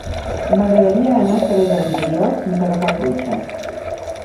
M'agradaria anar al carrer del Vidriol sense agafar el cotxe.